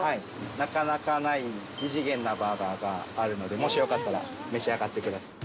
なかなかない異次元なバーガーがあるので、もしよかったら召し上がってください。